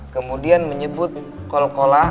kemudian menyebut kol kolah